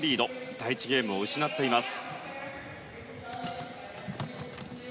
第１ゲームを失っています。